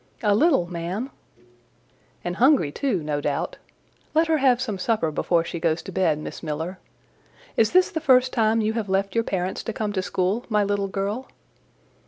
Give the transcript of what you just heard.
"A little, ma'am." "And hungry too, no doubt: let her have some supper before she goes to bed, Miss Miller. Is this the first time you have left your parents to come to school, my little girl?"